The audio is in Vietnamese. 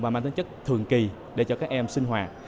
và mang tính chất thường kỳ để cho các em sinh hoạt